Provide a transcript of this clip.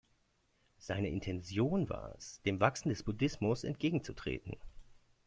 Seine Intention war es, dem Wachsen des Buddhismus entgegenzutreten.